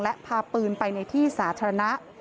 และพาปืนไปในที่สาธารณะ